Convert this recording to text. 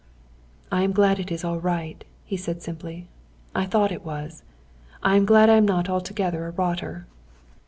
"I am glad it is all right," he said, simply. "I thought it was. I am glad I am not altogether a rotter."